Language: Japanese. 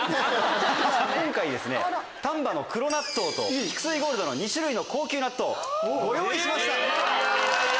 今回丹波の黒納豆と菊水ゴールド２種類の高級納豆をご用意しました！